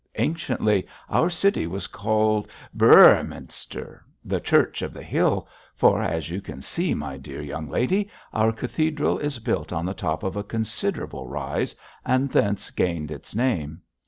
Anciently, our city was called Bëorhmynster, "the church of the hill," for, as you can see, my dear young lady, our cathedral is built on the top of a considerable rise, and thence gained its name.